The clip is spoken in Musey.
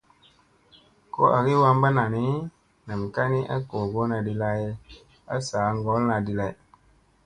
Ko agi wamɓa nani, nam ka ni a googona di lay a saa ŋgolla di lay.